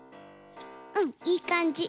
うんいいかんじ。